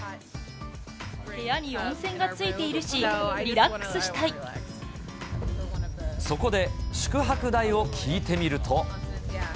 部屋に温泉がついているし、そこで、宿泊代を聞いてみる